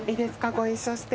ご一緒して。